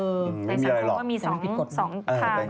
แต่สำคัญว่ามี๒ภาพอยู่ดี